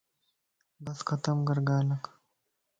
بس ختم ڪر ڳالھک